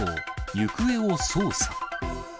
行方を捜査。